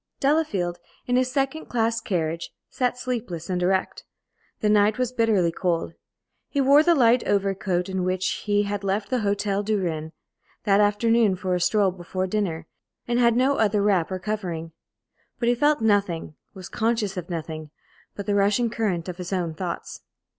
Delafield, in his second class carriage, sat sleepless and erect. The night was bitterly cold. He wore the light overcoat in which he had left the Hôtel du Rhin that afternoon for a stroll before dinner, and had no other wrap or covering. But he felt nothing, was conscious of nothing but the rushing current of his own thoughts.